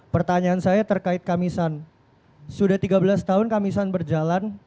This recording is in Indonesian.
pertanyaan saya terkait kamisan sudah tiga belas tahun kamisan berjalan